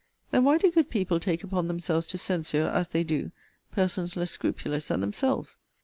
Then, why do good people take upon themselves to censure, as they do, persons less scrupulous than themselves?